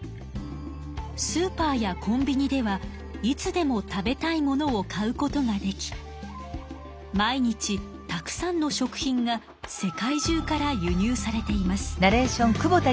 スーパーやコンビニではいつでも食べたいものを買うことができ毎日たくさんの食品が世界中から輸入されています。